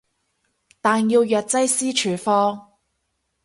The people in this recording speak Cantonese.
但要藥劑師處方